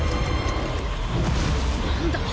何だ？